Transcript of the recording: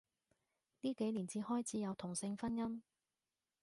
呢幾年至開始有同性婚姻